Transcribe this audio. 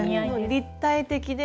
立体的で。